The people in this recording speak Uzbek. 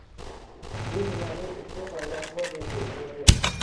Bu hunarning uchta qoidasi bor,-debdi ustozi.